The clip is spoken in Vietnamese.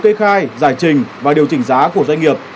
kê khai giải trình và điều chỉnh giá của doanh nghiệp